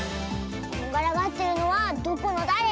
こんがらがってるのはどこのだれ？